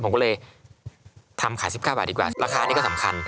ผมก็เลยทำขาย๑๙บาทดีกว่าราคานี้ก็สำคัญ